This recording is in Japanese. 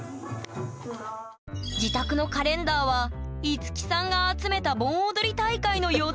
自宅のカレンダーは樹さんが集めた盆踊り大会の予定がびっしり！